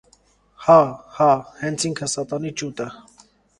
- Հա՛, հա՛, հենց ինքը Սատանի ճուտը.